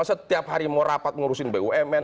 setiap hari mau rapat ngurusin bumn